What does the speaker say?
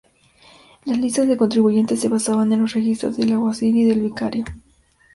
Las listas de contribuyentes se basaban en los registros del alguacil y del vicario.